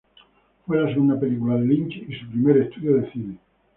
Fue la segunda película de Lynch, y su primer estudio de cine.